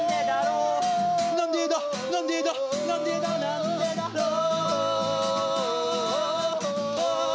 「なんでだなんでだなんでだなんでだろう」